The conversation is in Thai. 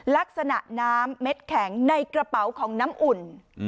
ลักษณะน้ำเม็ดแข็งในกระเป๋าของน้ำอุ่น